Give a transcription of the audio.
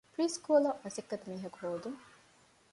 ޕްރީ ސްކޫލަށް މަސައްކަތު މީހަކު ހޯދުން